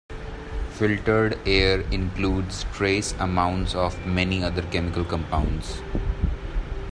Filtered air includes trace amounts of many other chemical compounds.